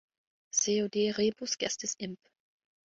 Seu De rebus gestis Imp.